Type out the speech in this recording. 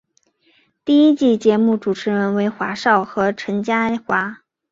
第一季节目主持人为华少和陈嘉桦。